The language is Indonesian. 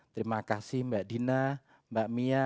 terima kasih mbak dina mbak mia